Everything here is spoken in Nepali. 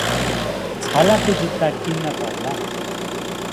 छालाको जुत्ता किन्न पर्ला ।